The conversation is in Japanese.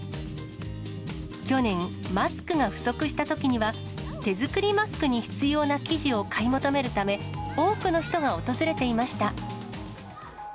去年、マスクが不足したときには、手作りマスクに必要な生地を買い求めるため、多くの人が訪れていました。